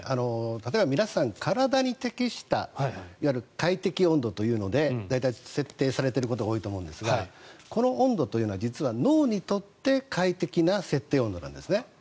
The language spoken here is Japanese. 例えば、皆さん体に適したいわゆる快適温度というので設定されていることが多いと思うんですがこの温度というのは実は脳にとって快適な設定温度なんですね。